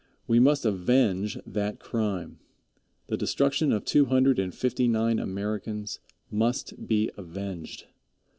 We must avenge that crime. The destruction of two hundred and fifty nine Americans must be avenged.